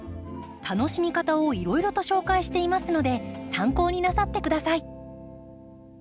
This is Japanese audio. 楽しみ方をいろいろと紹介していますので参考になさって下さい。